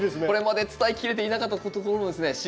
これまで伝えきれていなかったところもですね